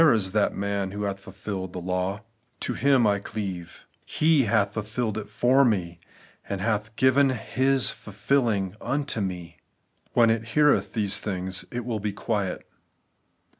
It is that man who hath fulfilled the law ; to Him I cleave ; He hath fulfilled it for me, and hath given His fulfilling unto me. When it heareth these things, it will be quiet.